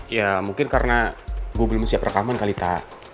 ya mungkin karena gue belum siap rekaman kali ta